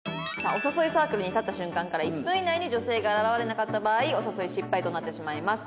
お誘いサークルに立った瞬間から１分以内に女性が現れなかった場合お誘い失敗となってしまいます。